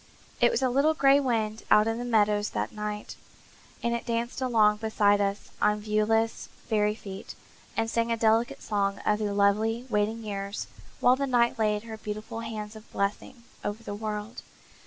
There was a little gray wind out in the meadows that night, and it danced along beside us on viewless, fairy feet, and sang a delicate song of the lovely, waiting years, while the night laid her beautiful hands of blessing over the world.